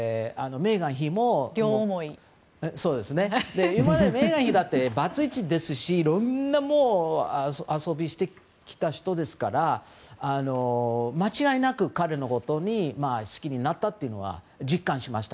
メーガン妃だってバツイチですしいろんな遊びをしてきた人ですから間違いなく彼のことを好きになったと実感しました。